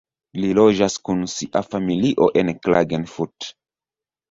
Li loĝas kun sia familio en Klagenfurt.